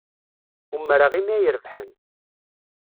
Umreɣ imi ay rebḥen.